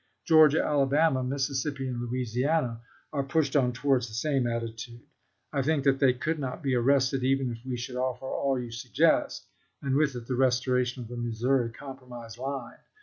Georgia, Alabama, Mississippi, and Louisiana are pushed on towards the same attitude. I think that they could not be arrested even if we should offer all you sug gest and with it the restoration of the Missouri Com promise line.